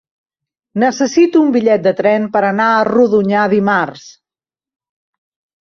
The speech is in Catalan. Necessito un bitllet de tren per anar a Rodonyà dimarts.